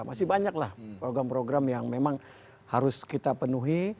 masih banyaklah program program yang memang harus kita penuhi